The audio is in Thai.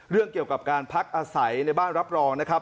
เรื่องเกี่ยวกับการพักอาศัยในบ้านรับรองนะครับ